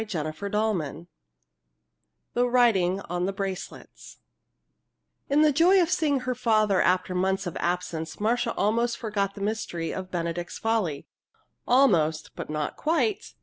CHAPTER XIV THE WRITING ON THE BRACELETS In the joy of seeing her father after months of absence Marcia almost forgot the mystery of Benedict's Folly. Almost but not quite!